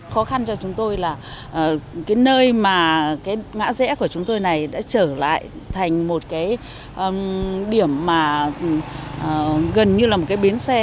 khó khăn cho chúng tôi là cái nơi mà cái ngã rẽ của chúng tôi này đã trở lại thành một cái điểm mà gần như là một cái bến xe